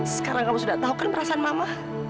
sekarang kamu sudah tahu kan perasaan mama